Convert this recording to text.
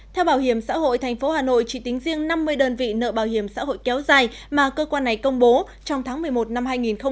theo bảo hiểm xã hội thành phố hà nội chỉ tính riêng năm mươi đơn vị nợ bảo hiểm xã hội kéo dài mà cơ quan này công bố trong tháng một mươi một năm hai nghìn hai mươi